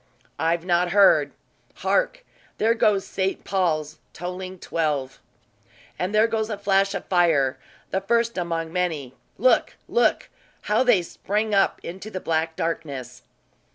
"I have not heard. Hark! There goes St. Paul's tolling twelve." "And there goes a flash of fire the first among many. Look, look! How they spring up into the black darkness."